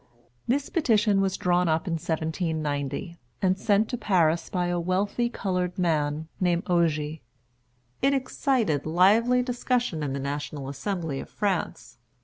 This petition was drawn up in 1790, and sent to Paris by a wealthy colored man named Ogé. It excited lively discussion in the National Assembly of France.